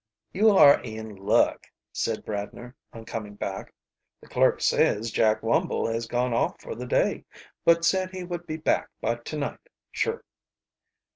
"You are in luck," said Bradner, on coming back. "The clerk says Jack Wumble has gone off for the day, but said he would be back by to night sure."